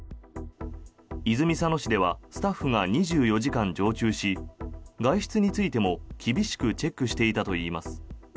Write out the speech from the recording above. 泉佐野市ではスタッフが２４時間常駐し外出についても厳しくチェックしていたといいます。